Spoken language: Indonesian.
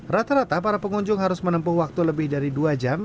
rata rata para pengunjung harus menempuh waktu lebih dari dua jam